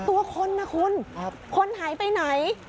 ตัวคนนะคุณคนหายไปไหน